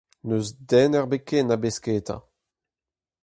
N'eus den ebet ken a besketa.